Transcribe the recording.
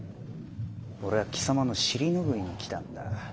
俺は貴様の尻拭いに来たんだ。